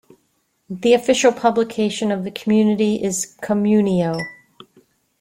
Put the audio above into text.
The official publication of the community is "Communio".